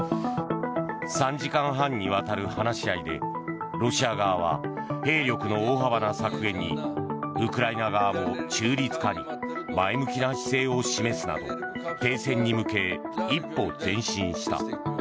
３時間半にわたる話し合いでロシア側は兵力の大幅な削減にウクライナ側も、中立化に前向きな姿勢を示すなど停戦に向け一歩前進した。